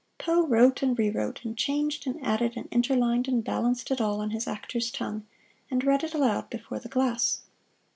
Poe wrote and rewrote, and changed and added and interlined and balanced it all on his actor's tongue, and read it aloud before the glass.